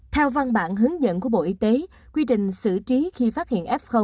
theo văn bản hướng dẫn của bộ y tế quy trình xử trí khi phát hiện f